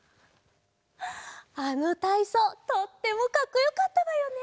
あのたいそうとってもかっこよかったのよね！